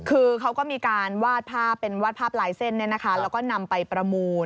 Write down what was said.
คือเขาก็มีการวาดภาพเป็นวาดภาพลายเส้นแล้วก็นำไปประมูล